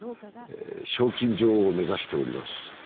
賞金女王を目指しております。